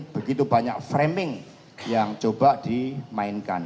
begitu banyak framing yang coba dimainkan